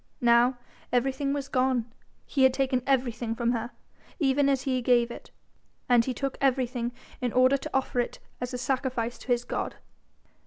Now everything was gone, he had taken everything from her, even as he gave it; and he took everything in order to offer it as a sacrifice to his God.